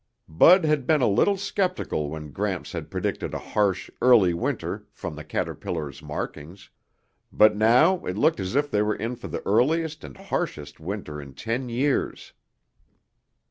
Bud had been a little skeptical when Gramps had predicted a harsh, early winter from the caterpillar's markings, but now it looked as if they were in for the earliest and harshest winter in ten years.